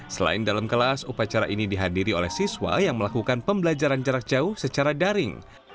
selain dalam kelas upacara ini dihadiri oleh siswa yang melakukan pembelajaran jarak jauh secara daring